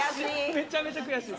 めちゃめちゃ悔しい。